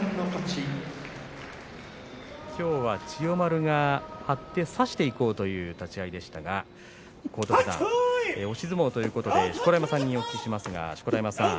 きょうは千代丸が張って差していこうという立ち合いでしたが荒篤山、押し相撲ということで錣山さんにお聞きします。